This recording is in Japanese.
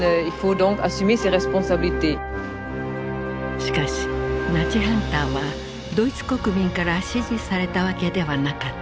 しかしナチハンターはドイツ国民から支持されたわけではなかった。